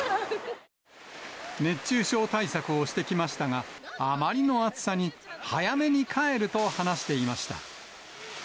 熱中症対策をしてきましたが、あまりの暑さに早めに帰ると話していました。